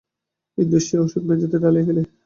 বিন্দু সে ওষুধ মেঝেতে ঢালিয়া ফেলে।